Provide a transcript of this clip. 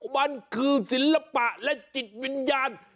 มันคือศิลปะและจิตวิญญาณ